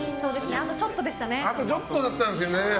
あとちょっとだったんですけどね。